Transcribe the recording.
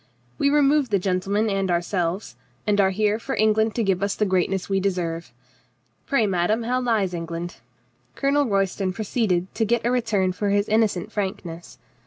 We removed the gentleman and ourselves, and are here for Eng land to give us the greatness we deserve. Pray, madame, how lies England?" (Colonel Royston proceeded to get a return for his innocent frank ness.)